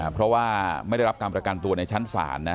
เพราะว่าไม่ได้รับการประกันตัวในชั้นศาลนะ